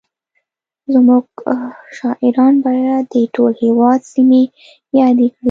زموږ شاعران باید د ټول هېواد سیمې یادې کړي